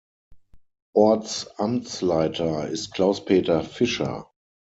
Ortsamtsleiter ist Klaus-Peter Fischer.